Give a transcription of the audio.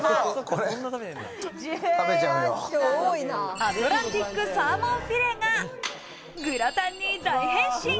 アトランティックサーモンフィレがグラタンに大変身。